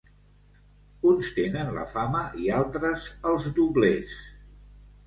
Uns tenen la fama i altres els doblers.